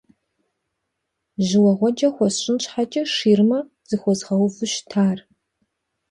Жьыуэгъуэджэ хуэсщӀын щхьэкӀэ, ширмэ зыхуэзгъэуву щытар.